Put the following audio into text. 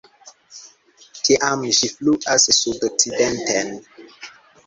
Tiam ĝi fluas sudokcidenten.